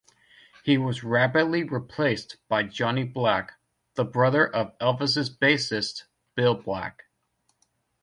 He was rapidly replaced by Johnny Black, the brother of Elvis's bassist Bill Black.